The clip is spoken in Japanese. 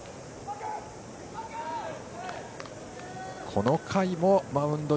この回もマウンド